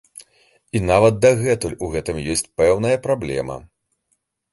І нават дагэтуль у гэтым ёсць пэўная праблема.